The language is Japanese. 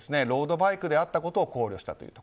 ロードバイクであったことを考慮したと。